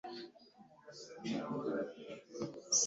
inda y'amazi, kandi aratsimbarara, uko ashoboye gutsimbarara